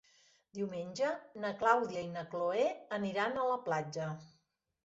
Diumenge na Clàudia i na Cloè aniran a la platja.